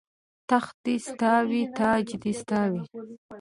تخت دې ستا وي تاج دې ستا وي